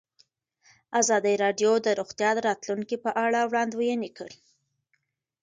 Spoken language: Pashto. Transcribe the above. ازادي راډیو د روغتیا د راتلونکې په اړه وړاندوینې کړې.